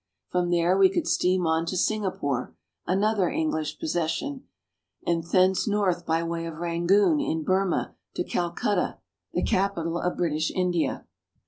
From there we could steam on to Singapore, another English possession, and thence north by way of Rangoon in Burmah to Calcutta, the capital of British India.